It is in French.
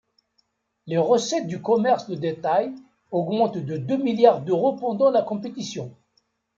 Les recettes du commerce de détail augmentent de deux milliards d'euros pendant la compétition.